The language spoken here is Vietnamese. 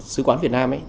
sứ quán việt nam